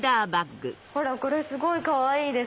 ほらこれすごいかわいいです！